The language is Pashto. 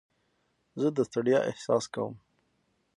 زه د ستړیا احساس کوم.